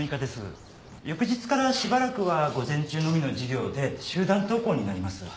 翌日からしばらくは午前中のみの授業で集団登校になります。